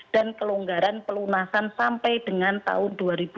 dan kelonggaran pelunasan sampai dengan tahun dua ribu dua puluh satu